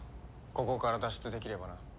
ここから脱出できればな。